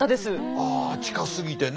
ああ近すぎてね。